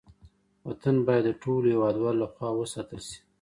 وطن باید د ټولو هېوادوالو لخوا وساتل شي.